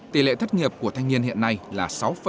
tỷ lệ thất nghiệp của thanh niên hiện nay là sáu bốn mươi ba